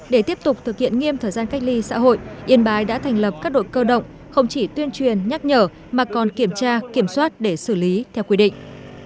để tiếp tục thực hiện nghiêm thời gian cách ly xã hội yên bái đã thành lập các đội cơ động không chỉ tuyên truyền nhắc nhở mà còn kiểm tra kiểm soát để xử lý theo quy định